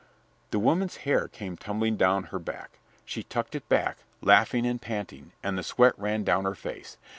The woman's hair came tumbling down her back. She tucked it back, laughing and panting, and the sweat ran down her face.